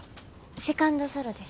セカンド・ソロです。